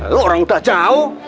lu orang udah jauh